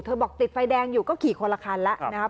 บอกติดไฟแดงอยู่ก็ขี่คนละคันแล้วนะครับ